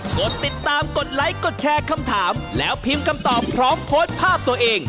กดติดตามกดไลค์กดแชร์คำถามแล้วพิมพ์คำตอบพร้อมโพสต์ภาพตัวเอง